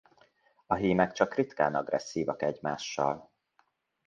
A hímek csak ritkán agresszívak egymással.